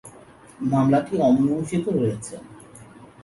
মামলাটি অমীমাংসিত রয়েছে।